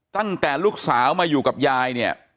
ตั้งแต่ลูกสาวมาอยู่กับยายเนี่ย